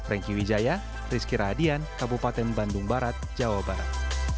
dari jaya rizky radian kabupaten bandung barat jawa barat